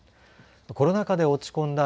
コロナ禍で落ち込んだ